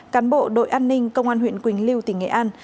cán bộ đội an ninh công an huyện quỳnh lưu tỉnh nghệ an